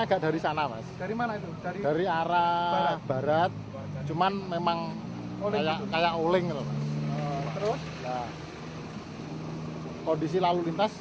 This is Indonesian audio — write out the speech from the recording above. agak dari sana mas dari mana itu dari arah barat cuman memang kayak kayak uling terus kondisi lalu lintas